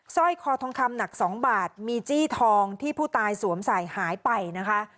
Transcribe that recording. ร้อยคอทองคำหนัก๒บาทมีจี้ทองที่ผู้ตายสวมใส่หายไปนะคะ